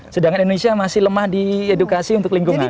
sedangkan indonesia masih lemah di edukasi untuk lingkungan